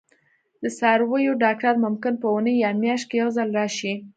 د څارویو ډاکټر ممکن په اونۍ یا میاشت کې یو ځل راشي